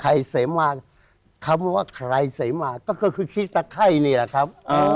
เสมารคำว่าใครเสมาก็คือขี้ตะไข้นี่แหละครับ